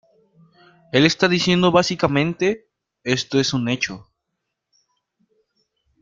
Él está diciendo básicamente, "Esto es un hecho.